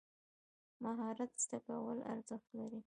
مهارت زده کول ارزښت لري.